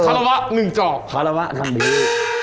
คาราวะหนึ่งเจาะคาราวะน้ำย่อย